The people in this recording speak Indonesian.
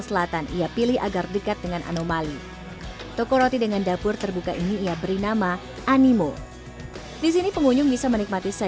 saya pribadi ya jawabannya ya pasti usaha ya kalau saya pribadi ya